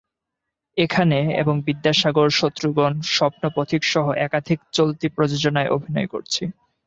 এখানে এবং বিদ্যাসাগর, শত্রুগণ, স্বপ্ন পথিকসহ একাধিক চলতি প্রযোজনায় অভিনয় করছি।